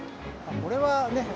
これはねっ。